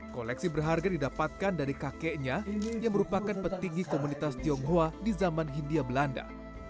koleksi berharga didapatkan dari kakeknya yang merupakan petinggi komunitas tionghoa di zaman hindia belanda